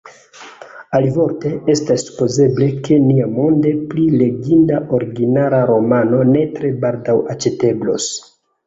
Alivorte, estas supozeble, ke niamonde pli leginda originala romano ne tre baldaŭ aĉeteblos.